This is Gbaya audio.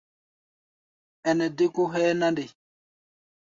Ɛnɛ dé kó hʼɛ́ɛ́ na nde?